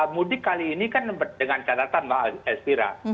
mudik kali ini kan dengan catatan pak elspira